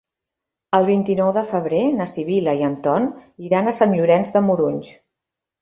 El vint-i-nou de febrer na Sibil·la i en Ton iran a Sant Llorenç de Morunys.